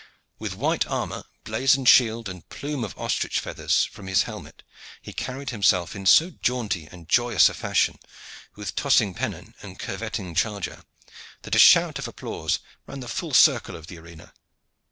With white armor, blazoned shield, and plume of ostrich feathers from his helmet, he carried himself in so jaunty and joyous a fashion, with tossing pennon and curveting charger, that a shout of applause ran the full circle of the arena.